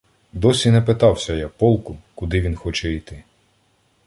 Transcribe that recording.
Досі не питався я полку, куди він хоче іти.